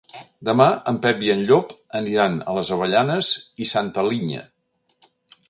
Demà en Pep i en Llop aniran a les Avellanes i Santa Linya.